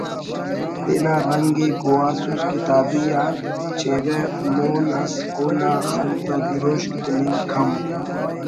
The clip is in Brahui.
تینا رنگ ءِ گوہاسس کتابی آ چہرہ مَون ئس اونا خن تا گروشک تننگ کم